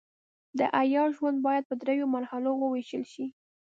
د عیار ژوند باید پر دریو مرحلو وویشل شي.